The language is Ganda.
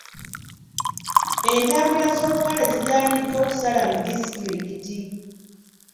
Entambula z’olukale zigaaniddwa okusala mu disitulikiti.